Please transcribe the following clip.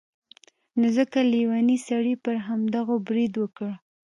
نو ځکه لیوني سړي پر همدغو برید وکړ.